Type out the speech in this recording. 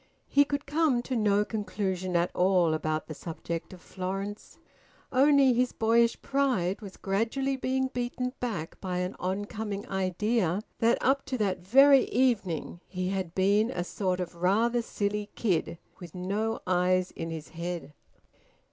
He could come to no conclusion at all about the subject of Florence. Only his boyish pride was gradually being beaten back by an oncoming idea that up to that very evening he had been a sort of rather silly kid with no eyes in his head.